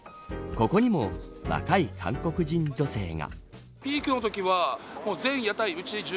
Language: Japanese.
ここにも若い韓国人女性が。